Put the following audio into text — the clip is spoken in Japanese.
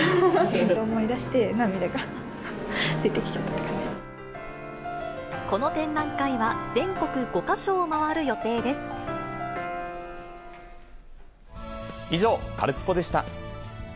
思い出して、涙が出てきちゃこの展覧会は、以上、カルスポっ！でした。